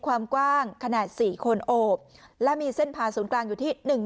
ความกว้างขนาด๔คนโอบและมีเส้นพาศูนย์กลางอยู่ที่หนึ่ง